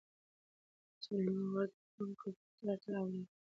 سلیمان غر د افغان کلتور سره تړاو لري.